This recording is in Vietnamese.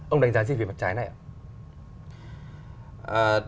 ông đánh giá gì về mặt trái này ạ